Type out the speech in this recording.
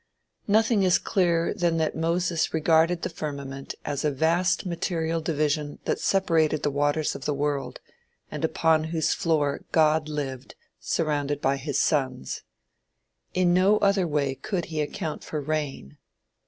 Nothing is clearer than that Moses regarded the firmament as a vast material division that separated the waters of the world, and upon whose floor God lived, surrounded by his sons. In no other way could he account for rain.